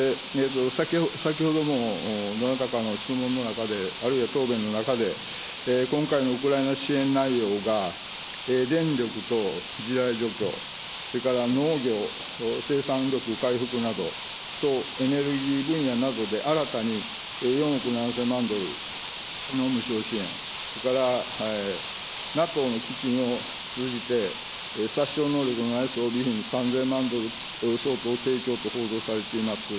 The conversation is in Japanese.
先ほどもどなたかの質問の中で、あるいは答弁の中で、今回のウクライナ支援内容が電力と地雷除去、それから農業、生産力回復など、エネルギー分野などで新たに４億７０００万ドルの無償支援、それからＮＡＴＯの基金を通じて、殺傷能力のない装備品３０００万ドル提供と報道されています。